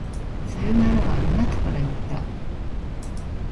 さよならは、あなたから言った。